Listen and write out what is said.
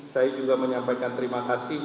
saya juga menyampaikan terima kasih